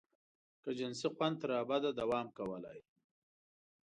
که جنسي خوند تر ابده دوام کولای.